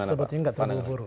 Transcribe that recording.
sebetulnya nggak terburu buru